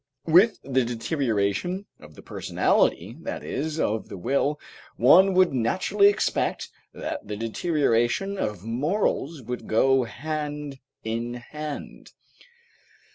With the deterioration of the personality, that is, of the will, one would naturally expect that the deterioration of morals would go hand in hand.